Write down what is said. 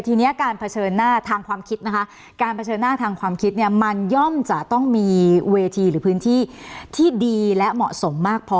ทีนี้การเผชิญหน้าทางความคิดนะคะการเผชิญหน้าทางความคิดเนี่ยมันย่อมจะต้องมีเวทีหรือพื้นที่ที่ดีและเหมาะสมมากพอ